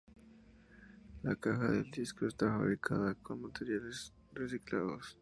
La caja del disco está fabricada con materiales reciclados.